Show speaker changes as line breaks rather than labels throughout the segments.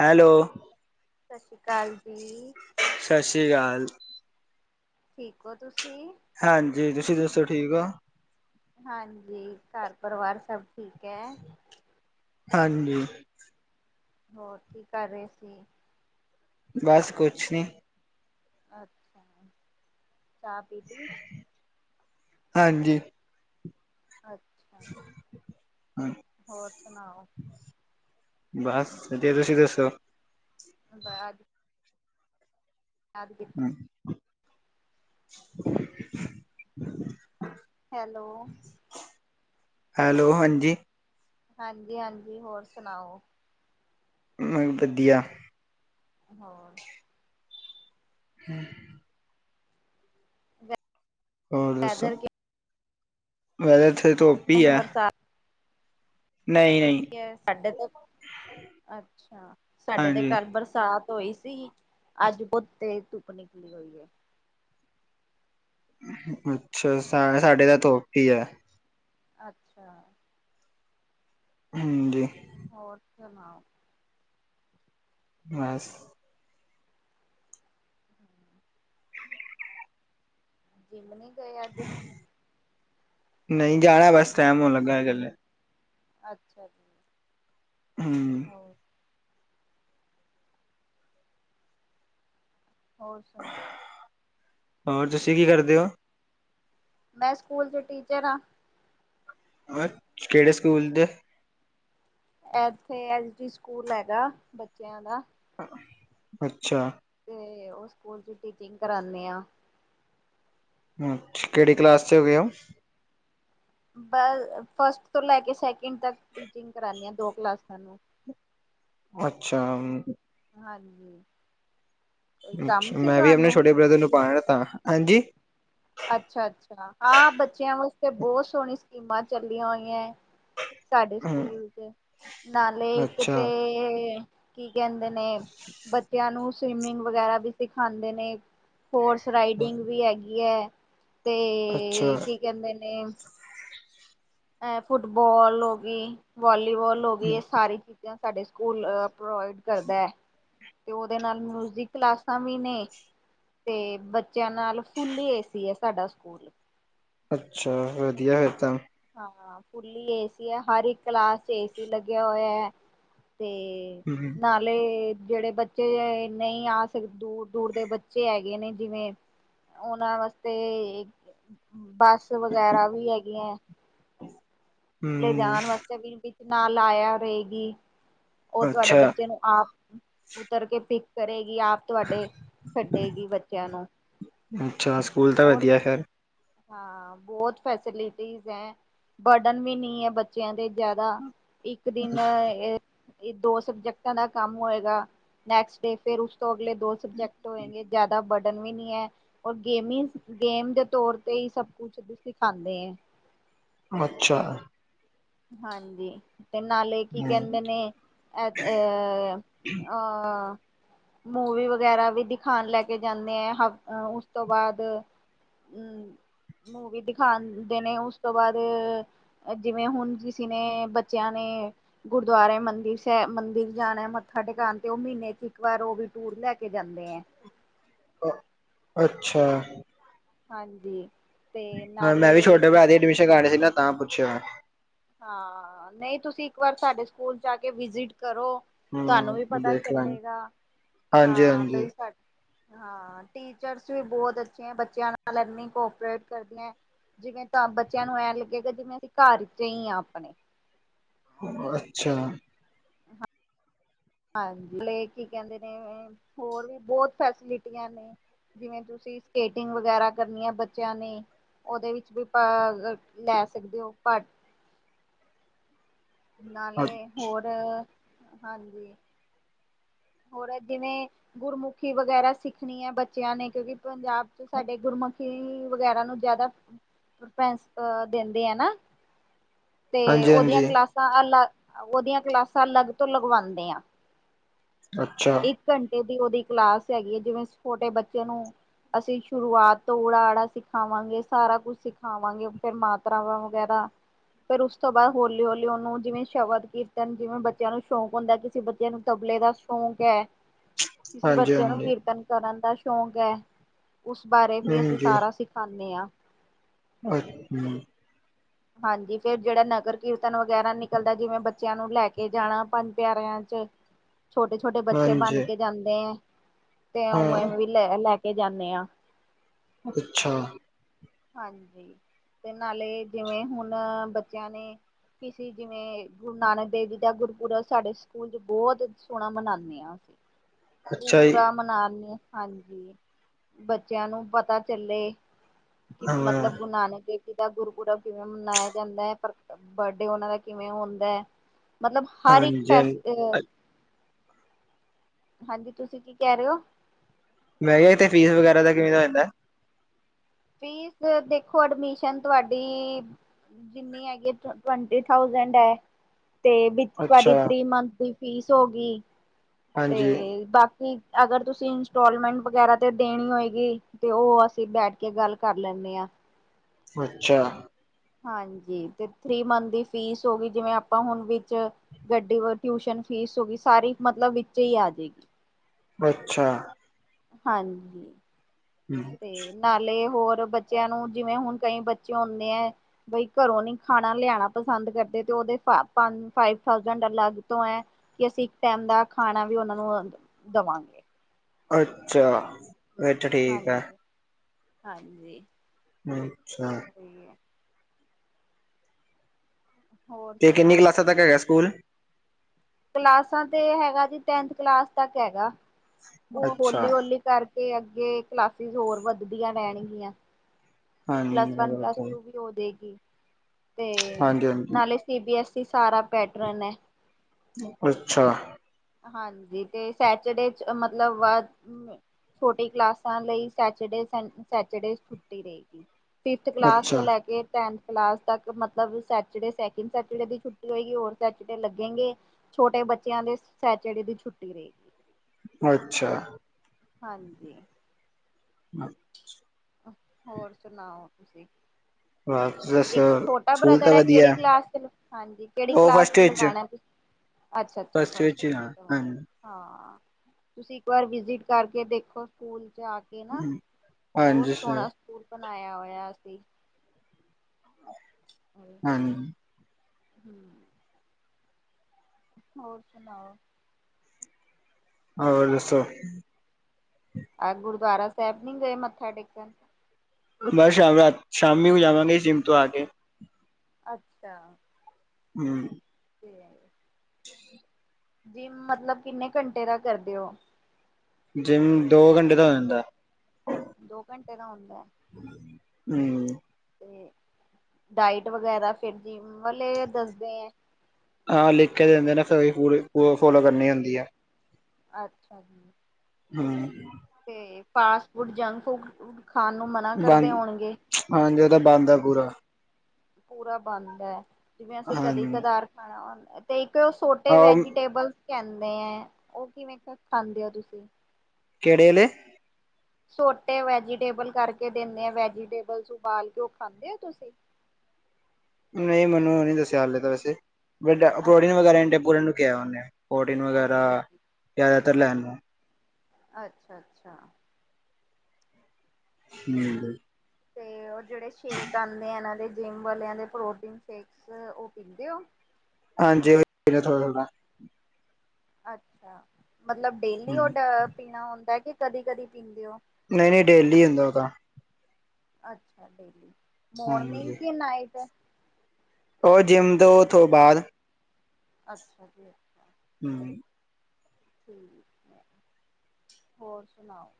Hello.
ਸਤਿ ਸ਼੍ਰੀ ਅਕਾਲ ਜੀ।
ਸਤਿ ਸ੍ਰੀ ਅਕਾਲ।
ਠੀਕ ਹੋ ਤੁਸੀਂ?
ਹਾਂਜੀ, ਤੁਸੀਂ ਦੱਸੋ, ਠੀਕ ਹੋ?
ਹਾਂਜੀ, ਘਰ ਪਰਿਵਾਰ ਸਭ ਠੀਕ ਹੈ?
ਹਾਂਜੀ।
ਹੋਰ ਕੀ ਕਰ ਰਹੇ ਸੀ?
ਬਸ ਕੁਛ ਨਹੀਂ।
ਅੱਛਾ, ਚਾਹ ਪੀ ਲਈ?
ਹਾਂਜੀ।
ਅੱਛਾ ਹੋਰ ਸੁਣਾਓ।
ਬਸ ਵਧੀਆ। ਤੁਸੀਂ ਦੱਸੋ।
[unintelligible] [unintelligible]
ਹੂੰ।
ਹੈਲੋ।
ਹੈਲੋ ਹਾਂਜੀ।
ਹਾਂਜੀ ਹਾਂਜੀ ਹੋਰ ਸੁਣਾਓ।
ਮੈਂ ਵੀ ਵਧੀਆ।
ਹੋਰ।
[inaudible] ਹੋਰ ਦੱਸੋ,
ਵੈਦਰ ਕਿਵੇਂ,
[unintelligible] ਇੱਥੇ ਤੋਂ।
ਐ ਬਰਸਾ।
ਨਹੀਂ
ਉਹ
ਨਹੀਂ,
ਕੀਆ, ਸਾਡੇ ਤੇ, ਅੱਛਾ, ਸਾਡੇ ਤੇ
ਹਾਂਜੀ,
ਘਰ ਬਰਸਾ। ਹੋਈ ਸੀ। ਅੱਜ ਬੋਤ ਤੇਜ਼ ਧੁੱਪ ਨਿਕਲੀ ਹੋਈ ਐ।
ਅੱਛਾ, ਸਾਰਾ ਸਾਡੇ ਤਾਂ ਧੁੱਪ ਈ ਐ।
ਅੱਛਾ।
ਹਾਂਜੀ।
ਹੋਰ ਸੁਨਾਓ।
ਬਸ।
ਜਿੰਮ ਨੀ ਗਏ ਅੱਜ?
ਨਈ, ਜਾਣਾ ਬਸ ਟਾਈਮ ਹੋਣ ਲੱਗਾ ਚੱਲੇ।
ਅੱਛਾ।
ਹੂੰ।
ਹੋਰ ਹੋਰ ਸੁਨਾਓ।
ਹੋਰ ਤੁਸੀਂ ਕੀ ਕਰਦੇ ਓ।
ਮੈਂ ਸਕੂਲ ਚ ਟੀਚਰ ਆਂ।
[unintelligible] ਕਿਹੜੇ ਸਕੂਲ ਦੇ?
ਇੱਥੇ ਐਸ ਡੀ ਸਕੂਲ ਹੈਗਾ ਬੱਚਿਆਂ ਦਾ।
ਅੱਛਾ।
ਤੇ ਉਸ ਸਕੂਲ ਚ ਟੀਚਿੰਗ ਕਰਾਨੀ ਆ।
ਅੱਛ, ਕਿਹੜੀ ਕਲਾਸ ਚ ਹੈਗੇ ਓ।
ਬ, ਫਸਟ ਤੋਂ ਲੈ ਕੇ ਸੈਕਿੰਡ ਤੱਕ ਟੀਚਿੰਗ ਕਰਾਨੀ ਆ ਦੋ ਕਲਾਸਾਂ ਨੂੰ।
ਅੱਛਾ ਹੂੰ।
ਹਾਂਜੀ। ਕੋਈ ਕੰਮ
ਅੱਛਾ,
ਸੀ
ਮੈਂ ਵੀ ਆਪਣੇ
ਤੁਹਾਨੂੰ?
ਛੋਟੇ ਬ੍ਰਦਰ ਨੂੰ ਪਾਨਾ ਤਾ, ਹਾਂਜੀ।
ਅੱਛਾ-ਅੱਛਾ। ਹਾਂ, ਬੱਚਿਆਂ ਵਾਸਤੇ ਬੋਤ ਸੋਨੀ ਸਕੀਮਾਂ ਚੱਲੀਆਂ ਹੋਈਆਂਐ। ਸਾਡੇ
ਹੂੰ
ਸਕੂਲ ਚ। ਨਾਲੇ ਇੱਕ ਤੇ
ਅੱਛਾ
ਕੀ ਕਹਿੰਦੇ ਨੇ। ਬੱਚਿਆਂ ਨੂੰ ਸਵਿਮਿੰਗ ਵਗੈਰਾ ਵੀ ਸਿਖਾਂਦੇ ਨੇ। ਹੋਰਸ ਰਾਈਡਿੰਗ ਵੀ ਹੈਗੀ ਐ। ਤੇ
ਅੱਛਾ
ਕੀ ਕੇਂਦੇ ਨੇ। ਐ ਫੁੱਟਬਾਲ ਹੋ ਗਈ, ਵਾਲੀਬਾਲ ਹੋ ਗਈ, ਇਹ ਸਾਰੀ ਚੀਜ਼ਾਂ ਸਾਡੇ ਸਕੂਲ ਅ ਪ੍ਰੋਵਾਈਡ ਕਰਦਾਏ, ਤੇ ਉਹਦੇ ਨਾਲ ਮਿਊਜਿਕ ਕਲਾਸਾਂ ਵੀ ਨੇ। ਤੇ ਬੱਚਿਆਂ ਨਾਲ ਫੁੱਲੀ ਏ ਸੀ ਐ ਸਾਡਾ ਸਕੂਲ।
ਅੱਛਾ ਵਧੀਆ ਏਹ ਤਾਂ।
ਹਾਂ ਫੁੱਲੀ ਏਸੀ ਐ। ਹਰ ਇੱਕ ਕਲਾਸ ਚ ਏਸੀ ਲੱਗਿਆ ਹੋਇਆ ਐ, ਤੇ।
ਹੂੰ
ਨਾਲ ਲੇ ਜਿਹੜੇ ਬੱਚੇ ਨਈ ਆ ਸਕਦੇ ਦੂਰ-ਦੂਰ ਦੇ ਬੱਚੇ ਹੈਗੇ ਨੇ ਜਿਵੇਂ। ਉਹਨਾਂ ਵਾਸਤੇ ਇਕ ਬੱਸ ਵਗੈਰਾ ਵੀ ਹੈਗੀਆਂਐ।
ਹੂੰ
ਲਜਾਣ ਵਾਸਤੇ ਵੀ। ਵਿੱਚ ਨਾਲ ਆਇਆ ਰਹੇਗੀ ਉਹ ਤੁਹਾਡੇ
ਅੱਛਾ
ਬੱਚੇ ਨੂੰ। ਆਪ ਉਤਰ ਕੇ ਪਿਕ ਕਰੇਗੀ, ਆਪ। ਤੁਹਾਡੇ ਛੱਡੇਗੀ ਬੱਚਿਆਂ ਨੂੰ,
ਅੱਛਾ ਸਕੂਲ ਤਾਂ
ਹੋਰ।
ਵਧੀਆ ਫਿਰ
ਹਾਂ ਬਹੁਤ ਫੈਸਿਲਿਟੀਜ਼ ਐ। ਬਰਡਨ ਵੀ ਨੀ ਐ ਬੱਚਿਆਂ ਦੇ ਜ਼ਿਆਦਾ ਇੱਕ। ਇੱਕ ਦਿਨ ਇਹ ਦੋ ਸਬਜੈਕਟਾਂ ਦਾ ਕੰਮ ਹੋਏਗਾ, ਨੈਕਸਟ ਡੇ। ਫੇਰ ਉਸ ਤੋਂ ਅਗਲੇ ਦੋ ਸਬਜੈਕਟ ਹੋਏਗੇ ਜ਼ਿਆਦਾ ਬੜ ਡਨ ਵੀ ਨੀ ਐ। ਔਰ ਗੇਮਿੰਸ ਗੇਮ ਦੇ ਤੌਰ ਤੇ ਈ ਸਭ ਕੁਛ ਸਿਖਾਂਦੇ ਐ
ਅੱਛਾ।
ਹਾਂਜੀ। ਤੇ ਨਾਲੇ ਕੀ
ਹੂੰ
ਕੇਂਦੇ ਨੇ, [unintelligible] ਮੂਵੀ ਵਗੈਰਾ ਵੀ ਦਿਖਾਨਾ ਲੈ ਕੇ ਜਾਂਦੇ ਐ। ਹ ਉਸ ਤੋਂ ਬਾਅਦ। ਹੂੰ, ਮੂਵੀ ਦਿਖਾਉਂਦੇ ਨੇ, ਉਸ ਤੋਂ ਬਾਅਦ ਜਿਵੇਂ ਹੁਣ। ਕਿਸੀ ਨੇ, ਬੱਚਿਆਂ ਨੇ ਗੁਰਦੁਆਰੇ, ਮੰਦਿਰ ਸਾਹਿਬ, ਮੰਦਿਰ ਜਾਣਾ ਮੱਥਾ ਟਿਕਉਣ ਤੇ ਉਹ ਮਹੀਨੇ ਚ, ਇਕ ਵਾਰ ਉਹ ਵੀ ਟੂਰ ਲੈ ਕੇ ਜਾਂਦੇ ਆ।
ਅੱਛਾ
ਹਾਂਜੀ, ਤੇ ਨਾਲੇ ਕੀ ਕਹਿ
ਪਿੱਛੇ, ਗਾਣੇ ਸੀ ਨਾ, ਤਾਂ ਪੁੱਛਿਆ।
ਹਾਂ, ਨਹੀਂ ਤੁਸੀਂ, ਇੱਕ ਵਾਰ ਸਾਡੇ ਸਕੂਲ ਚ ਆ ਕੇ ਵਿਜਿਟ ਕਰੋ। ਤੁਹਾਨੂੰ ਵੀ,
ਹੂੰ
ਪਤਾ
ਦੇਖ ਲਾਂਗੇ
ਚੱਲੇਗਾ
ਹਾਂਜੀ
ਹਾਂ
ਹਾਂਜੀ
ਬਈ ਸਾਡੇ। ਹਾਂ, ਟੀਚਰਸ ਵੀ ਬਹੁਤ ਅੱਛੇ ਹੈ, ਬੱਚਿਆਂ ਨਾਲ ਐਨੀ ਕੋਪਰੇਟ ਕਰਦੀਆਂ ਹੈ। ਜਿਵੇਂ ਤਾਂ, ਬੱਚਿਆਂ ਨੂੰ ਐਂ ਲੱਗੇਗਾ ਕਿ ਜਿਵੇਂ ਅਸੀਂ ਘਰ 'ਚ ਹੀ, ਹਾਂ ਆਪਣੇ।
ਅੱਛਾ।
ਹਾਂਜੀ, ਕੀ ਕਹਿੰਦੇ ਨੇ ਹੋਰ ਵੀ, ਬਹੁਤ ਫੈਸਿਲਿਟੀਆਂ ਨੇ। ਜਿਵੇਂ, ਤੁਸੀਂ ਸਕੇਟਿੰਗ ਵਗੈਰਾ ਕਰਨੀ ਹੈ, ਬੱਚਿਆਂ ਨੇ। ਉਹਦੇ, ਵਿੱਚ ਵੀ ਭਾਗ ਲੈ ਸਕਦੇ ਹੋ। ਨਾਲੇ,
ਅ
ਹੋਰ ਹਾਂਜੀ। ਹੋਰ, ਜਿਵੇਂ ਗੁਰਮੁਖੀ ਵਗੈਰਾ, ਸਿੱਖਣੀ ਹੈ ਬੱਚਿਆਂ ਨੇ, ਕਿਉਂਕਿ, ਪੰਜਾਬ ਚ ਸਾਡੇ ਗੁਰਮੁਖੀ ਵਗੈਰਾ, ਨੂੰ ਜ਼ਿਆਦਾ ਪ੍ਫੈੰਸ ਦਿੰਦੇ ਆ ਨਾ। ਤੇ,
ਹਾਂਜੀ
ਉਹਦੀਆਂ
ਹਾਂਜੀ
ਕਲਾਸਾਂ ਅਲੱਗ, ਉਹਦੀਆਂ ਕਲਾਸਾਂ ਅਲੱਗ ਤੋਂ ਲਗਵਾਉਂਦੇ ਆ।
ਅੱਛਾ,
ਇੱਕ ਘੰਟੇ ਦੀ, ਉਹਦੀ ਕਲਾਸ ਹੈਗੀ ਹੈ, ਜਿਵੇਂ ਛੋਟੇ ਬੱਚੇ ਨੂੰ ਅਸੀਂ, ਸ਼ੁਰੂਆਤ ਤੋਂ ਉੜਾ, ਆੜਾ ਸਿਖਾਵਾਂਗੇ ਸਾਰਾ ਕੁਝ ਸਿਖਾਵਾਂਗੇ, ਫਿਰ ਮਾ ਤਰਾਵਾਂ, ਵਗੈਰਾ ਫਿਰ, ਉਸ ਤੋਂ ਬਾਅਦ ਹੌਲੀ- ਹੌਲੀ, ਉਹਨੂੰ ਜਿਵੇਂ ਸ਼ਬਦ- ਕੀਰਤਨ ਜਿਵੇਂ ਬੱਚਿਆਂ ਨੂੰ ਸ਼ੌਂਕ ਹੁੰਦਾ, ਕਿਸੇ ਬੱਚਿਆਂ ਨੂੰ ਤਬਲੇ ਦਾ ਸ਼ੌਕ ਹੈ, ਕਿਸੇ
ਹਾਂਜੀ
ਬੱਚੇ ਨੂੰ
ਹਾਂਜੀ
ਕੀਰਤਨ ਕਰਨ ਦਾ ਸ਼ੌਕ ਹੈ। ਉਸ ਬਾਰੇ ਵੀ, ਅਸੀਂ
ਹਾਂਜੀ
ਸਾਰਾ ਸਿਖਾਉਂਦੇ ਹਾਂ।
ਅੱਛਾ।
ਹਾਂਜੀ, ਫੇਰ ਜਿਹੜਾ, ਨਗਰ ਕੀਰਤਨ ਵਗੈਰਾ ਨਿਕਲਦਾ ਜਿਵੇਂ ਬੱਚਿਆਂ ਨੂੰ, ਲੈ ਕੇ ਜਾਣਾ ਪੰਜ ਪਿਆਰਿਆਂ ਚ [unintelligible] ਛੋਟੇ -ਛੋਟੇ ਬੱਚੇ ਬਣ
ਹਾਂਜੀ
ਕੇ ਜਾਂਦੇ ਹੈ, ਤੇ ਉਵੇਂ
ਹਾਂ
ਵੀ ਲੈ -ਲੈ ਕੇ ਜਾਂਦੇ ਆ।
ਅੱਛਾ,
ਹਾਂਜੀ, ਤੇ ਨਾਲੇ ਜਿਵੇਂ ਹੁਣ ਬੱਚਿਆਂ ਨੇ। ਕਿਸੀਂ ਜਿਵੇਂ, ਗੁਰੂ ਨਾਨਕ ਦੇਵ ਜੀ ਦਾ, ਗੁਰਪੁਰਬ ਸਾਡੇ ਸਕੂਲ ਚ ਬਹੁਤ ਸੋਹਣਾ ਮਨਾਉਂਦੇ ਹਾਂ। [unintelligible]
ਅੱਛਾ ਜੀ
ਪੂਰਾ ਮਨਾਉਂਦੇ ਹਾਂ, ਹਾਂਜੀ, ਬੱਚਿਆਂ ਨੂੰ ਪਤਾ ਚੱਲੇ ਕਿ
ਹਾਂ,
ਮਤਲਬ, ਗੁਰੂ ਨਾਨਕ ਦੇਵ ਜੀ ਦਾ ਗੁਰਪੁਰਬ ਕਿਵੇਂ ਮਨਾਇਆ ਜਾਂਦਾ ਹੈ, ਪਰ ਬਰਡੇ ਉਹਨਾਂ ਦਾ ਕਿਵੇਂ ਹੁੰਦਾ ਹੈ। ਮਤਲਬ ਹਰ ਇੱਕ
ਹਾਂਜੀ ਹਾਂਜੀ।
ਫੈਸ, ਹਾਂਜੀ, ਤੁਸੀਂ ਕੀ ਕਹਿ ਰਹੇ ਹੋ?
ਮੈਂ ਕਿਹਾ, ਇੱਥੇ ਫੀਸ ਵਗੈਰਾ, ਦਾ ਕਿਵੇਂ ਹੈ ਤੁਹਾਡਾ?
ਫੀਸ ਦੇਖੋ, ਅਡਮਿਸ਼ਨ ਤੁਹਾਡੀ ਜਿੰਨੀ ਹੈਗੀ, ਟਵੰਟੀ ਥਾਊਜੈੰਡ ਹੈ। ਤੇ, ਵਿੱਚ ਤੁਹਾਡੀ
ਅੱਛਾ,
ਥ੍ਰੀ ਮੰਥ ਦੀ ਫੀਸ ਹੋ ਗਈ। ਤੇ
ਹਾਂਜੀ,
ਬਾਕੀ, ਅਗਰ ਤੁਸੀ ਇੰਸਟੋਲਮੈਂਟ ਵਗੈਰਾ ਤੇ ਦੇਣੀ ਹੋਏਗੀ ਤੇ, ਉਹ ਅਸੀ ਬੈਠ ਕੇ ਗੱਲ ਕਰ ਲੈਨੇ ਆ।
ਅੱਛਾ।
ਹਾਂਜੀ, ਤੇ ਥ੍ਰੀ ਮੰਥ ਦੀ ਫੀਸ ਹੋਗੀ, ਜਿਵੇਂ ਆਪਾਂ ਹੁਨ ਵਿੱਚ ਗੱਡੀ, ਵ ਟਿਊਸ਼ਨ ਫੀਸ ਹੋਗੀ ਸਾਰੀ, ਮਤਲਬ ਵਿੱਚੇ ਈ ਆਜੇਗੀ।
ਅੱਛਾ।
ਹਾਂਜੀ,
ਹੂੰ,
ਤੇ ਨਾਲੇ ਹੋਰ ਬੱਚਿਆਂ ਨੂੰ, ਜਿਵੇ ਹੁਣ ਕਈ ਬੱਚੇ ਹੁੰਦੇ ਐ। ਬਈ ਘਰੋ ਨੀ ਖਾਣਾ ਲਿਆਣਾ ਪਸੰਦ ਕਰਦੇ, ਤੇ ਉਹਦੇ [unintelligible] ਫਾਇਵ ਥਾਉਜੈਂਡ ਅਲੱਗ ਤੋ ਐ। ਕਿ ਅਸੀ ਇੱਕ ਟੈਮ ਦਾ ਖਾਣਾ ਵੀ ਓਨਾਂ ਨੂੰ ਓਂਜ ਦਵਾਂਗੇ।
ਅੱਛਾ। ਅੱਛਾ ਠੀਕ ਆ,
ਹਾਂਜੀ-ਹਾਂਜੀ।
ਅੱਛਾ।
ਹੋਰ
ਤੇ ਕਿੰਨੀ
ਸੁਣਾਓ
ਕਲਾਸਾ ਤੱਕ ਹੈਗੈ ਸੂਕੂਲ?
ਕਲਾਸਾ ਤੇ ਹੈਗਾ ਜੀ, ਟੈਂਥ ਕਲਾਸ ਤੱਕ ਹੈਗਾ। ਓ
ਅੱਛਾ,
ਹੋਲੀ-ਹੋਲੀ ਕਾਰਕੇ, ਅੱਗੇ ਕਲਾਸਿਸ ਹੋਰ ਵੱਦਦੀਆ ਰੈਣਗੀਆਂ। ਪਲੱਸ
ਹਾਂਜੀ,
ਵਨ, ਪਲੱਸ
ਹਾਂਜੀ
ਟੂ ਵੀ ਜੋ ਦੇਗੀ, ਤੇ
ਹਾਂਜੀ,
ਨਾਲੇ ਸੀ ਬੀ ਐਸ ਸੀ ਸਾਰਾ ਪੈਟਰਨ ਏ।
ਅੱਛਾ।
ਹਾਂਜੀ, ਤੇ ਸੈਚਰਡੇ ਚ ਮਤਲਬ [unintelligible] ਛੋਟੀ ਕਲਾਸਾ ਲਈ ਸੈਚਡੇ, ਸਨ, ਸੈਚਡੇ ਛੁੱਟੀ ਰਏਗੀ। ਫਿਫਥ ਕਲਾਸ ਤੋ
ਅੱਛਾ।
ਲੈ ਕੇ ਟੈਂਥ ਕਲਾਸ ਤਕ ਮਤਲਬ ਸੈਚਡੇ, ਸੈਕਿੰਡ ਸੈਟਰਡੇ ਦੀ ਛੁੱਟੀ ਹੋਏਗੀ, ਹੋਰ ਸੈਚਡੇ ਲੱਗੇਂਗੇ। ਛੋਟੇ ਬੱਚੇਯਾ ਦੇ ਸੈਚਡੇ ਦੀ ਛੁੱਟੀ ਰਏਗੀ।
ਅੱਛਾ।
ਹਾਂਜੀ।
[inaudible]
ਹੋਰ ਸੁਨਾਓ, ਤੁਸੀ?
ਬਸ
ਇੱਕ
ਦੱਸੋ
ਛੋਟਾ
ਸਕੂਲ
ਬ੍ਰਦਰ
ਤਾਂ
ਐ, ਕੇੜੀ
ਵਧੀਆ।
ਕਲਾਸ ਚ, ਹਾਂਜੀ, ਕੇੜੀ
ਉਹ
ਕਲਾਸ
ਫਸਟ
ਚ
ਵਿੱਚ,
ਲਗਾਣੈ ਤੁਸੀ? ਅੱਛਾ, ਅੱਛਾ
ਵਿੱਚ
ਫਸਟ ਚ ਕੰਰਵਾਨੈ
ਹਾਂਜੀ,
ਹਾਂ, ਤੁਸੀ ਇੱਕ ਵਾਰ ਵਿਜਿ਼ਟ ਕਾਰਕੇ ਦੇਖੋ, ਸੁਕੂਲ ਚ ਆਕੇ ਨਾ। ਬੋਤ
ਹਾਂਜੀ ਸਰ,
ਸੋਣਾ ਸੁਕੂਲ ਬਣਾਯਾ ਹੋਐ ਅਸੀ। [inaudible]
ਹੂੰ।
ਹੂੰ। ਹੋਰ, ਸੁਨਾਓ
ਹੋਰ, ਦੱਸੋ?
ਆੱਜ ਗੁਰਦਾਰਾ ਸਾਬ ਨੀ ਗਏ ਮੱਥਾ ਟੇਕਨ?
ਮੈਂ ਸ਼ਾਮ-ਰਾਤ, ਸ਼ਾਮੀ ਵੀ ਜਾਵਾਂਗਾ ਜਿਮ ਤੋ ਆ ਕੇ
ਅੱਛਾ।
ਹੂੰ।
[unintelligible]
[inaudible]
ਜਿੱਮ ਮਤਲਬ, ਕਿੰਨੇ ਘੰਟੇ ਦਾ ਕਰਦੇ ਓ?
ਜਿੰਮ, ਦੋ ਘੰਟੇ ਦਾ ਹੋ ਜਾਂਦਾ।
ਦੋ ਘੰਟੇ ਦਾ ਹੁੰਦੈ।
ਹੂੰ।
ਤੇ, ਡਾਇਟ ਵਗੈਰਾ ਫੇਰ ਜਿਮ ਵਾਲੇ ਦੱਸਦੇ ਐ।
ਹਾਂ, ਲਿਖਕੇ ਦੇਂਦੇ ਨੇ ਫੇਰ ਏਕ ਵ ਫੋਲੋ ਕਰਨੀ ਹੋਂਦੀ ਆ
ਅੱਛਾ ਜੀ।
ਹੂੰ।
ਤੇ ਫਾਸਟ ਫੂੜ, ਜੰਕ ਫੂੜ ਖਾਨ ਨੂੰ ਮਨਾ ਕਰਦੇ
ਬੰਦ
ਹੋਣਗੇ?
ਹਾਂਜੀ, ਓ ਤਾ ਬਾਂਦ ਆ ਪੂਰਾ।
ਪੂਰਾ ਬਾੰਦ ਐ, ਜਿਵੇਂ ਅਸੀਂ ਕਦੀ
ਹਾਂਜੀ
ਕਦਾਰ ਖਾਣਾ ਹੋਂਦੈ ਤੇ ਇੱਕ ਓ ਸੋਟੇ
ਆਹ
ਵੈਜੀਟੇਬਲਸ ਆਂਦੈ, ਓ ਕਿਵੇਂ ਖਾਂਦੇ ਓ ਤੁਸੀਂ?
ਕੇੜੇ ਆਲੇ?
ਸੋਟੇ ਵੈਜੀਟੇਬਲ ਕਾਰਕੇ ਦੇਂਨੇ ਆ, ਵੈਜੀਟੇਬਲਸ ਊਬਾਲ ਕੇ ਓ ਖਾਂਦੇ ਓ ਤੁਸੀ?
ਨਈ ਮੈਨੂੰ ਓ ਨੀ ਦੱਸੇਆ ਹਾਲੇ ਤਾਂ ਵੈਸੇ, ਬਟ ਪ੍ਰੋਟੀਨ
ਅੱਛਾ,
ਵਗੈਰਾ ਆਂਡੇ ਨੂੰ ਕੇਆ ਓਨੇ। ਪ੍ਰੋਟੀਨ ਵਗੈਰਾ
ਅੱਛਾ ਜੀ।
ਜੇ਼ਆਦਾਤਰ ਲੈਨ ਨੂੰ।
ਅੱਛਾ-ਅੱਛਾ।
[unintelligible]
ਤੇ ਉਹ ਜਿਹੜੇ ਸ਼ੇਕ ਆਂਦੇਏ ਏਨਾ ਦੇ ਜਿੰਮ ਵਾਲਿਆਂ ਦੇ ਪ੍ਰੋਟੀਨ ਸ਼ੇਕਸ, ਉਹ ਪੀਂਦੇ ਓ?
ਹਾਂਜੀ ਉਹੀ ਨੇ ਥੋੜਾ-ਥੋੜਾ।
ਅੱਛਾ, ਮਤਲਬ ਡੇਲੀ ਉਹ
ਹਮ
ਡ ਪੀਨਾ ਹੁੰਦਾ ਕੇ ਕਦੀ-ਕਦੀ ਪੀਂਦੇ ਓ?
ਨਈ-ਨਈ ਡੇਲੀ ਹੁੰਦਾ ਉਹ ਤਾ।
ਅੱਛਾ ਡੇਲੀ, ਮੋਰਨਿੰਗ
ਹਾਂਜੀ
ਕੇ ਨਾਈਟ?
ਓ ਜਿਮ ਦੋ ਓਥੋ ਬਾਦ।
ਅੱਛਾ ਜੀ ਅੱਛ।
ਹੂੰ।
ਠੀਕ ਐ, ਹੋਰ ਸੁਨਾਓ।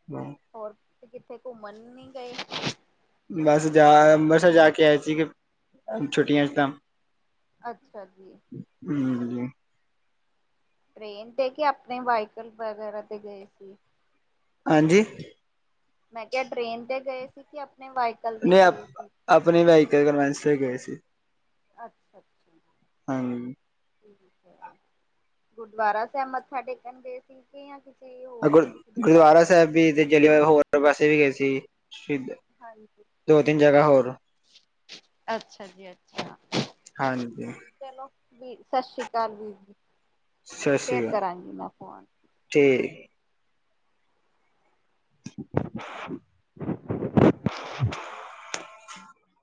[unintelligible]
ਹੋਰ ਤੁਸੀ ਕਿੱਥੇ ਘੁੰਮਣ ਨੀ ਗਏ?
ਬਸ ਜਾ ਅੰਮਬਰਸਰ ਜਾ ਕੇ ਆਏ ਸੀਗੇ, ਛੁੱਟੀਆਂ ਇਚ ਤਾਂ।
ਅੱਛਾ ਜੀ।
ਹੁੰ।
ਟ੍ਰੇਨ ਤੇ ਕੇ ਆਪਣੇ ਵਾਈਕਲ ਵਗੈਰਾ ਤੇ ਗਏ ਸੀ?
ਹਾਂਜੀ?
ਮੈਂ ਕਿਹਾ ਟ੍ਰੇਨ ਤੇ ਗਏ ਸੀ ਕੇ ਆਪਣੇ ਵਾਈਕਲ ਤੇ
ਨਹੀਂ
ਗਏ ਸੀ?
ਆਪਣੇ ਵਾਈਕਲ ਕਨਵੈਂਸ ਤੇ ਗਏ ਸੀ।
ਅੱਛਾ-ਅੱਛਾ।
ਹਨ।
ਠੀਕ ਐ। ਗੁਰਦੁਆਰਾ ਸਾਹਿਬ ਮੱਥਾ ਟੇਕਨ ਗਏ ਸੀ? ਗਏਆਂ ਕਿਸੀ ਹੋਰ ਕਿਸੀ ਦੇ ਘਰ ਗਏ।
ਜਲੀਆਵਾਲਾ ਹੋ ਤੇ ਵੈਸੇ ਵੀ ਗਏ ਸੀ ਸ਼ਹੀਦ
ਹਾਂਜੀ,
ਦੋ ਤਿੰਨ ਜਗ੍ਹਾ ਹੋਰ
ਅੱਛਾ ਜੀ ਅੱਛਾ।
ਹਾਂਜੀ
ਚਲੋ ਵੀ ਸਸ ਸ੍ਰੀ ਕਾਲ ਵੀਰ ਜੀ।
ਸਤਿ ਸ੍ਰੀ
ਫੇਰ
ਅਕਾਲ
ਕਰਾਂਗੀ ਮੈਂ ਫੋਨ।
[unintelligible] [inaudible]